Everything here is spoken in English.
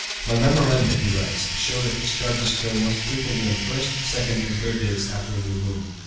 "My memoranda," he writes, "show that discharges occur most frequently on the first, second, and third days after new moon.